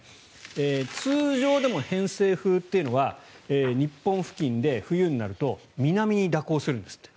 通常でも偏西風というのは日本付近で冬になると南に蛇行するんですって。